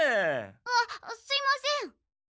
あっすいません。